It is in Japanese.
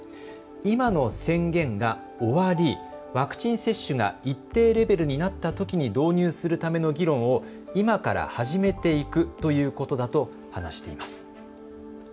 今の宣言が終わりワクチン接種が一定レベルになったときに導入するための議論を今から始めていくということだと話しています。